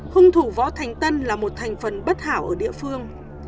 hung thủ võ thành tân là một thành phần bất hảo ở địa phương